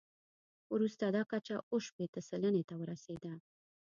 وروسته دا کچه اووه شپېته سلنې ته ورسېده.